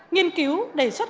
nghiên cứu đề xuất